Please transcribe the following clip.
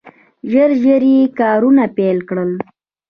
ژر ژر یې کارونه پیل کړل.